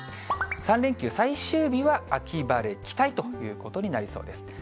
３連休最終日は秋晴れ期待ということになりそうです。